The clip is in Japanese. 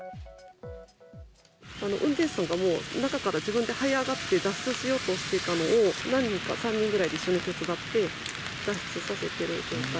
運転手さんがもう、中から自分ではい上がって脱出しようとしてたのを、何人か、３人ぐらいで一緒に手伝って、脱出させてる状態。